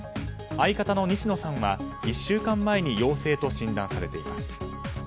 相方の西野さんは１週間前に陽性と診断されています。